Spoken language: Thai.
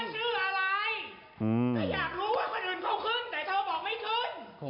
ชื่ออะไรแต่อยากรู้ว่าคนอื่นเขาขึ้นแต่เธอบอกไม่ขึ้น